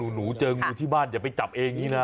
หนูเจองูที่บ้านอย่าไปจับเองอย่างนี้นะ